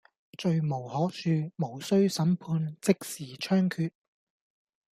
罪無可恕，無需審判，即時槍決